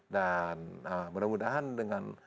dan mudah mudahan dengan